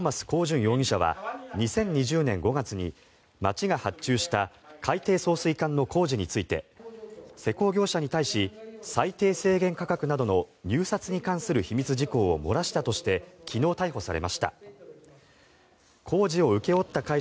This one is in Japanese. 高旬容疑者は２０２０年５月に町が発注した海底送水管の工事について施工業者に対し最低制限価格などの入札に関する秘密事項を漏らしたとして昨日、逮捕されました。